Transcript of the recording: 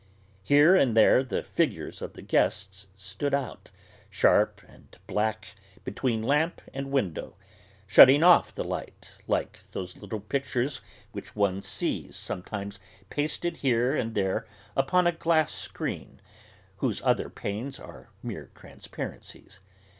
Here and there the figures of the guests stood out, sharp and black, between lamp and window, shutting off the light, like those little pictures which one sees sometimes pasted here and there upon a glass screen, whose other panes are mere transparencies.